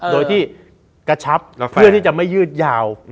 โดยที่กระชับเพื่อที่จะไม่ยืดยาว